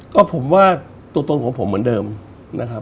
ก็ผมว่าตัวตนของผมเหมือนเดิมนะครับ